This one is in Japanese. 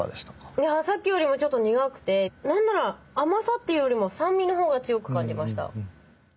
いやさっきよりもちょっと苦くて何なら甘さっていうよりも酸味の方が強く感じました。